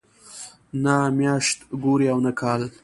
نه میاشت ګوري او نه کال.